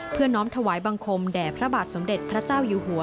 น้อมถวายบังคมแด่พระบาทสมเด็จพระเจ้าอยู่หัว